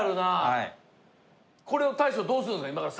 はいこれを大将どうするんですか？